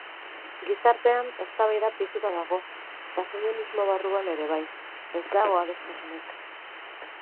Gizartean eztabaida piztuta dago eta feminismo barruan ere bai, ez dago adostasunik.